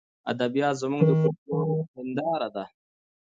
ادبیات زموږ د کلتور هنداره ده.